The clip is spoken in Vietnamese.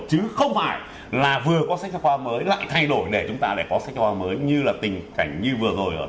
chứ không phải là vừa có sách giáo khoa mới lại thay đổi để chúng ta có sách giáo khoa mới như là tình cảnh như vừa rồi ở việt nam